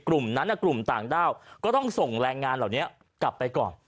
กลุ่มนั้นกลุ่มต่างด้าวก็ต้องส่งแรงงานเหล่านี้กลับไปก่อน